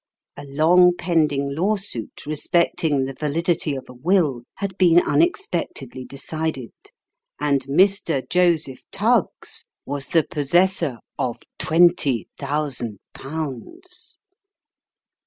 A long pending lawsuit re specting the validity of a will, had been unexpectedly decided ; and Mr. Joseph Tuggs was the possessor of twenty thousand pounds.